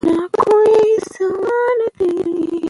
دا فلم په انګريزۍ او پښتو دواړو ژبو کښې جوړ شوے دے